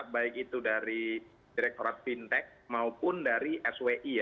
baik itu dari direkturat fintech maupun dari swi ya